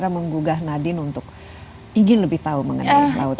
apa yang menggugah nadine untuk ingin lebih tahu mengenai laut itu